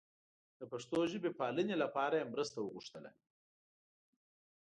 د پښتو ژبې پالنې لپاره یې مرسته وغوښتله.